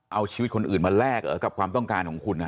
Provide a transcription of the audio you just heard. เอาชีวิตคนอื่นมาแลกเหรอกับความต้องการของคุณ